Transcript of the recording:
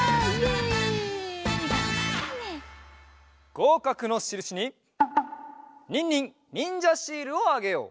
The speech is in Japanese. ごうかくのしるしにニンニンにんじゃシールをあげよう！